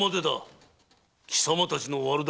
貴様たちの悪だくみは！